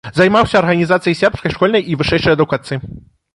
Займаўся арганізацыяй сербскай школьнай і вышэйшай адукацыі.